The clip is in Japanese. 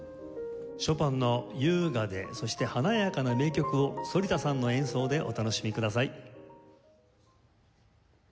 ショパンの優雅でそして華やかな名曲を反田さんの演奏でお楽しみください。